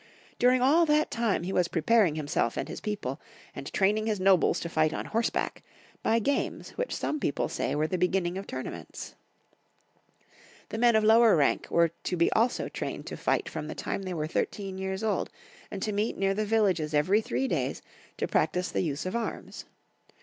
During all that time he was preparing himself and his people, and traimng his nobles to fight on horseback, by games which some people say were the beginning of tournaments. The men, of lower rank were to be also trained to fight from the time they were thirteen years old, and to meet near the villages every three days to practise the use of arms.